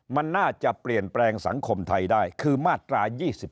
มันน่าจะเปลี่ยนแปลงสังคมไทยได้คือมาตรา๒๔